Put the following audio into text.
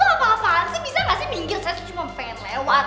ih bapak tuh apa apaan sih bisa gak sih minggir saya cuma pengen lewat